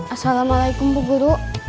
assalamualaikum bu guru